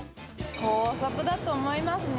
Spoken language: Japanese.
高速だと思いますね。